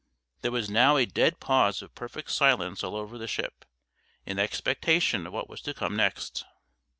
There was now a dead pause of perfect silence all over the ship, in expectation of what was to come next.